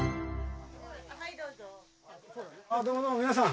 どうもどうも皆さん。